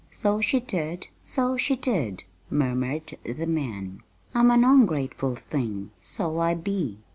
"So she did, so she did!" murmured the man. "I'm an ongrateful thing; so I be."